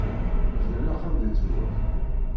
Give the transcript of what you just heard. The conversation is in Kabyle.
Bnan axxam deg tmurt.